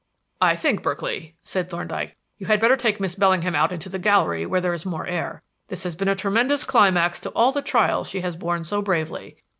"I think, Berkeley," said Thorndyke, "you had better take Miss Bellingham out into the gallery, where there is more air. This has been a tremendous climax to all the trials she has borne so bravely.